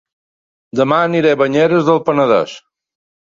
Dema aniré a Banyeres del Penedès